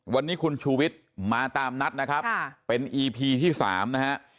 วันนี้คุณชูวิทย์มาตามนัดนะครับเป็นอีพีที่๓นะฮะ